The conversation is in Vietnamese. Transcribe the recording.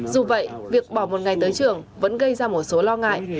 dù vậy việc bỏ một ngày tới trường vẫn gây ra một số lo ngại